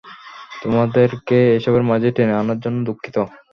তোমাদেরকে এসবের মাঝে টেনে আনার জন্য দুঃখিত।